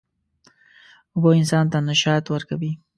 اوبه انسان ته نشاط ورکوي.